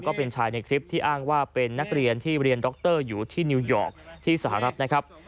ก็เป็นชายในคลิปที่อ้างว่าเป็นนักเรียนที่เรียนดรอยู่ที่นิวยอร์กที่สหรัฐนะครับ